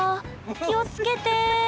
気をつけて。